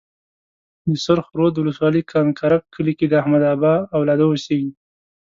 د سرخ رود ولسوالۍ کنکرک کلي کې د احمدآبا اولاده اوسيږي.